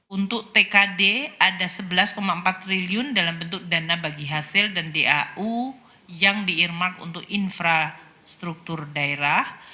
untuk tkd ada sebelas empat triliun dalam bentuk dana bagi hasil dan dau yang diirmak untuk infrastruktur daerah